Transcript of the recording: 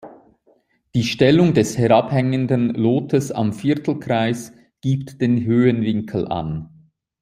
Die Stellung des herabhängenden Lotes am Viertelkreis gibt den Höhenwinkel an.